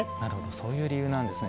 そういう理由なんですね。